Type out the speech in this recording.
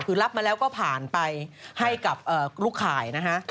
คือรับมาแล้วก็ผ่านไปให้กับลูกข่ายนะฮะ